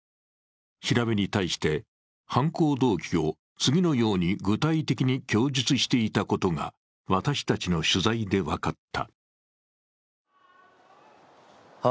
調べに対して犯行動機を、次のように具体的に供述していたことが私たちの取材で分かった。